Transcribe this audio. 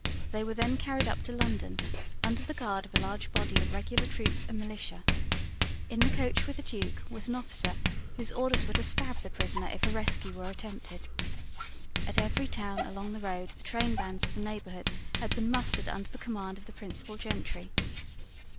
They were then carried up to London, under the guard of a large body of regular troops and militia. In the coach with the Duke was an officer whose orders were to stab the prisoner if a rescue were attempted. At every town along the road the trainbands of the neighbourhood had been mustered under the command of the principal gentry.